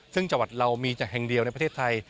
ซึ่งจังหวัดเรามีจากแห่งเดียวในประเทศไทย